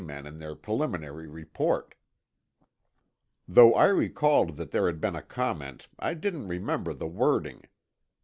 men in their preliminary report." Though I recalled that there had been a comment, I didn't remember the wording.